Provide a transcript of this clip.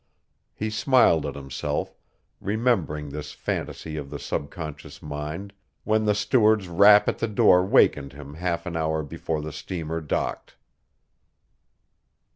He smiled at himself, remembering this fantasy of the subconscious mind, when the steward's rap at the door wakened him half an hour before the steamer docked.